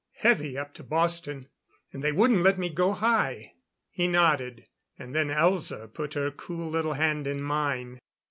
"Heavy up to Boston. And they wouldn't let me go high." He nodded. And then Elza put her cool little hand in mine.